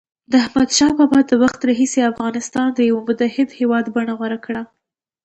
د احمدشاه بابا د وخت راهيسي افغانستان د یوه متحد هېواد بڼه غوره کړه.